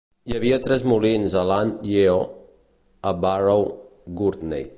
Hi havia tres molins a Land Yeo, a Barrow Gurney.